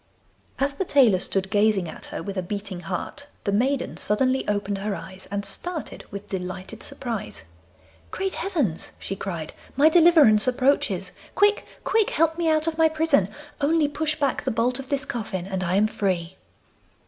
As the tailor stood gazing at her with a beating heart, the maiden suddenly opened her eyes, and started with delighted surprise. 'Great heavens!' she cried, 'my deliverance approaches! Quick, quick, help me out of my prison; only push back the bolt of this coffin and I am free.